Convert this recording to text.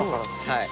はい。